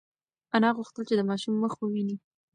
انا غوښتل چې د ماشوم مخ وویني.